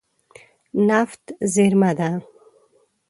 نفت زیرمه ده.